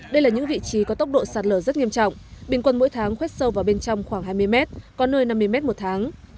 đây là những vị trí có tốc độ sạt lở rất nghiêm trọng bình quân mỗi tháng khoét sâu vào bên trong khoảng hai mươi mét có nơi năm mươi m một tháng